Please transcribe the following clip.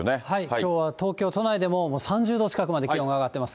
きょうは東京都内でも３０度近くまで気温が上がってます